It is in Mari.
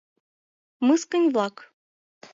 — Мыскынь-влак.